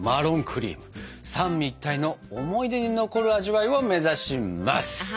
クリーム三位一体の思い出に残る味わいを目指します！